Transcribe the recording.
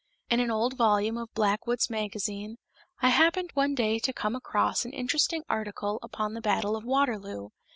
In an old volume of Blackwood's Magazine I happened, one day, to come across an interesting article upon the battle of Waterloo.